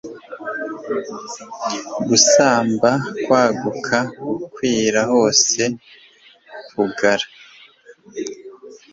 gusagamba kwaguka, gukwira hose, kugara